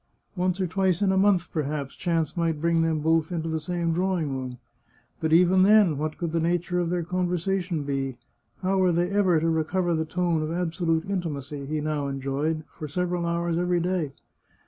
Once or twice in a month, perhaps, chance might bring them both into the same drawing room. But even then, what could the nature of their conversation be? How were they ever to recover the tone of absolute intimacy he now enjoyed for several hours every day?